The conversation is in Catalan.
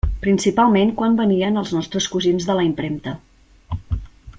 Principalment quan venien els nostres cosins de la impremta.